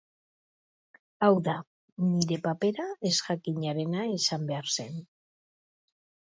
Hau da, nire papera ezjakinarena izan behar zen.